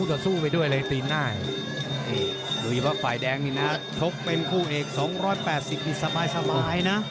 ดูอย่าบอกฝ่ายแดงนี่นะทบเป็นคู่เอก๒๘๐บาทสบายนะ